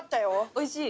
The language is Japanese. おいしい？